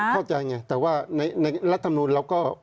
เข้าใจไงแต่ว่าในรัฐธรรมนูลเราก็